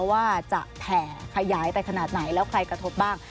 ว่าจะแผ่ขยายไปขนาดไหนแล้วใครกระทบบ้าง